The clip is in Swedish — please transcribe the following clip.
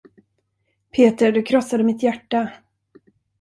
Peter, du krossade mitt hjärta.